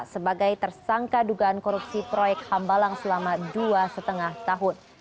sebagai tersangka dugaan korupsi proyek hambalang selama dua lima tahun